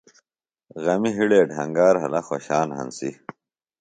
غمِ ہِڑے ڈھنگا رھلہ خوۡشان ہنسی۔